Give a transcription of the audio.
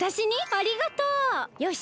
ありがとう！よし！